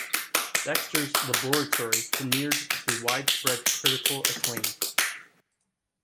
"Dexter's Laboratory" premiered to widespread critical acclaim.